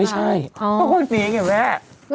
ไม่ใช่เพราะคนนี้เห็นไหมแม่ะ